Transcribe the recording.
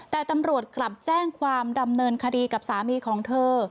แต่ตำรวจกลับแจ้งความดำเนินคดีกับสามีของเธอ